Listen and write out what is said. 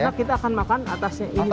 karena kita akan makan atasnya ini saja